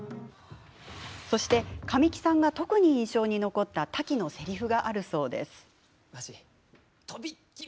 そして神木さんが特に印象に残ったタキのせりふがあるそうです。